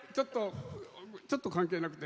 ちょっと関係なくて。